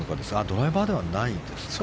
ドライバーではないんですね。